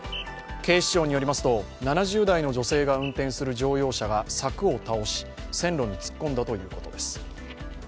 警視庁によりますと７０代の女性が運転する乗用車が柵を倒し線路に突っ込んだということです。